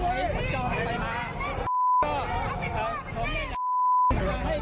ทางตำรวจนี่คือจะหรือว่าจะยังไม่ได้จังกลุ่มหรือยังไงฮะ